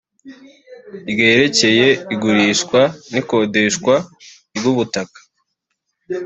ryerekeye igurishwa n ikodeshwa ry ubutaka